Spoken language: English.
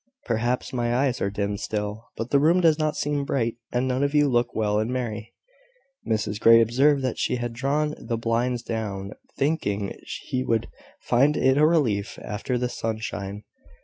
Perhaps my eyes are dim still; but the room does not seem bright, and none of you look well and merry." Mrs Grey observed that she had drawn the blinds down, thinking he would find it a relief after the sunshine.